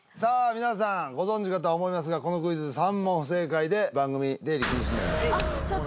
皆さんご存じかと思いますがこのクイズ３問不正解で番組出入り禁止になりますあっ